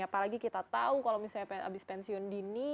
apalagi kita tahu kalau misalnya habis pensiun dini